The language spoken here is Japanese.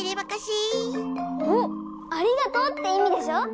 「ありがとう」っていみでしょ。